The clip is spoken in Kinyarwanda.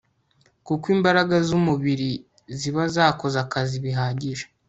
kuko imbaraga z'umubiri ziba zakoze akazi bihagije